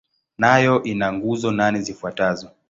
Nayo ina nguzo nane zifuatazo.